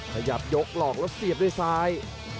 ขยับยกหลอกแล้วเสียบด้วยซ้าย